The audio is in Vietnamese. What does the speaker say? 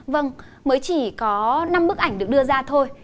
vâng mới chỉ có năm bức ảnh được đưa ra thôi